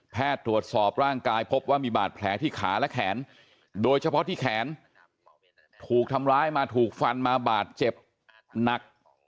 ตรวจสอบร่างกายพบว่ามีบาดแผลที่ขาและแขนโดยเฉพาะที่แขนถูกทำร้ายมาถูกฟันมาบาดเจ็บหนัก